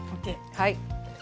はい。